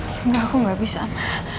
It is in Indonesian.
ma enggak aku gak bisa ma